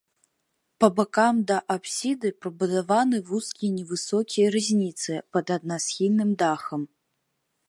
Па баках да апсіды прыбудаваны вузкія невысокія рызніцы пад аднасхільным дахам.